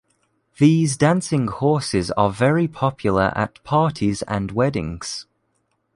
These dancing horses are very popular at parties and weddings.